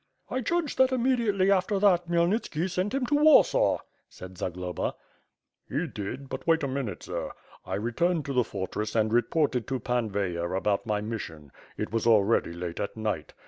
"I judge that immediately after that Khymelnitski sent him to Warsaw,^^ said Zagloba. "He did; but wait a minute, sir. I returned to the fortress and reported to Pan Veyher about my mission. It was al ready late at night.